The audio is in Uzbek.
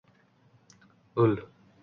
Ul…